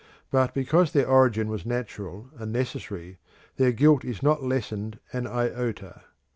But because their origin was natural and necessary, their guilt is not lessened an iota.